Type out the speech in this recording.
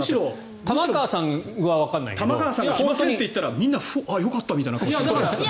玉川さんはわからないけど玉川さんが来ませんって言ったらよかったみたいな顔を。